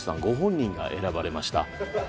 ご本人が選ばれました